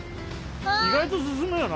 意外と進むよな。